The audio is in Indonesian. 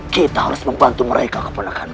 kita harus membantu mereka keponakan